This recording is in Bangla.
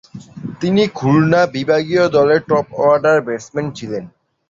তিনি খুলনা বিভাগীয় দলের টপ-অর্ডার ব্যাটসম্যান ছিলেন।